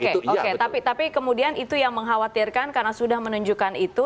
tapi kemudian itu yang mengkhawatirkan karena sudah menunjukkan itu